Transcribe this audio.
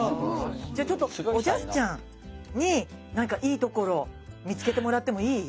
じゃあちょっとおじゃすちゃんになんかいいところ見つけてもらってもいい？